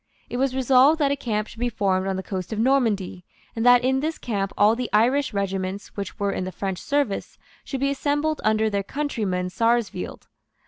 It was resolved that a camp should be formed on the coast of Normandy, and that in this camp all the Irish regiments which were in the French service should be assembled under their countryman Sarsfield.